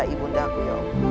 ibu undaku ya allah